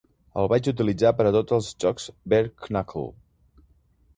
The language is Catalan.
El vaig utilitzar per a tots els jocs Bare Knuckle.